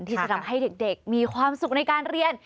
ที่จะทำให้เด็กมีความสุขในการเรียน